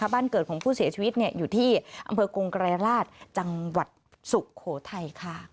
บ้านเกิดของผู้เสียชีวิตอยู่ที่อำเภอกงไกรราชจังหวัดสุโขทัยค่ะ